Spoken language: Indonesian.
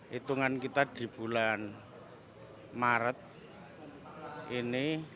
hitungan kita di bulan maret ini